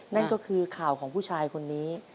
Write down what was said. นั่นก็คือข่าวของผู้ชายคนนี้